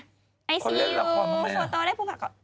ไอซีอู